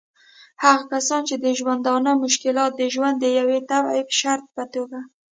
هغه کسان چې د ژوندانه مشکلات د ژوند د یوه طبعي شرط په توګه